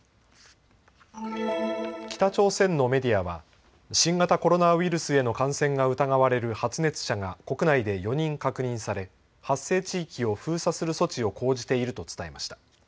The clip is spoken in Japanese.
北朝鮮のメディアは新型コロナウイルスへの感染が疑われる発熱者が国内で４人確認され発生地域を封鎖する措置を講じていると伝えました。